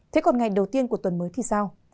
thế còn ngày đầu tiên của tuần mới thì sao